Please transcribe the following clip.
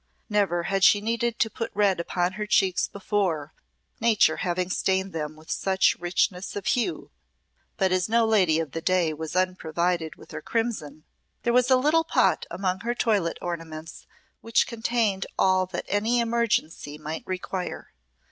Never had she needed to put red upon her cheeks before, Nature having stained them with such richness of hue; but as no lady of the day was unprovided with her crimson, there was a little pot among her toilette ornaments which contained all that any emergency might require.